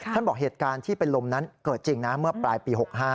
บอกเหตุการณ์ที่เป็นลมนั้นเกิดจริงนะเมื่อปลายปี๖๕